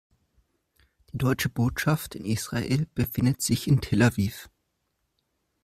Die Deutsche Botschaft in Israel befindet sich in Tel Aviv.